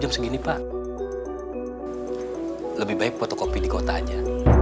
begini pak lebih baik fotokopi di kota aja